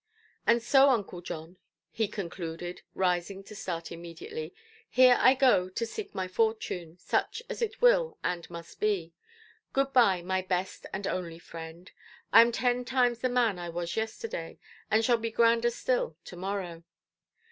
"And so, Uncle John", he concluded, rising to start immediately, "here I go to seek my fortune, such as it will and must be. Good–bye, my best and only friend. I am ten times the man I was yesterday, and shall be grander still to–morrow".